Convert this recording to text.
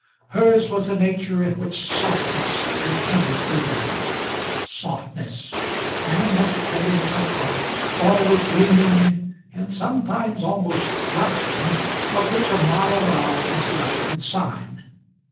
Hers was a nature in which softness would ever prevail; softness, and that tenderness of heart, always leaning, and sometimes almost crouching, of which a mild eye is the outward sign.